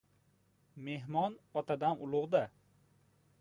Mehmon otadan ulug‘-da.